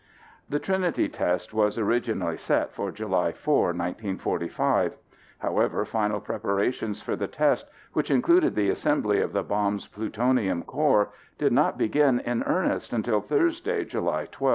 " The Trinity test was originally set for July 4, 1945. However, final preparations for the test, which included the assembly of the bomb's plutonium core, did not begin in earnest until Thursday, July 12.